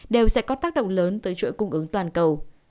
đều sẽ có tác động lớn tới chuỗi cung ứng toàn cầu